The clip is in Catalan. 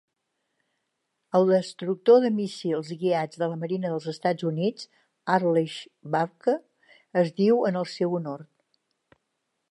El destructor de míssils guiats de la Marina dels Estats Units "Arleigh Burke" es diu en el seu honor.